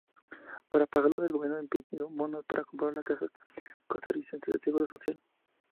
Para pagarlos, el gobierno emitió bonos que compró la Caja Costarricense de Seguro Social.